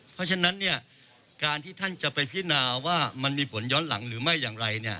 เพราะฉะนั้นการที่ท่านจะไปพินาว่ามันมีผลย้อนหลังหรือไม่อย่างไร